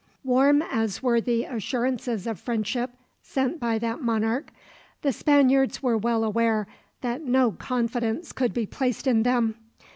Warm as were the assurances of friendship sent by that monarch, the Spaniards were well aware that no confidence could be placed in them.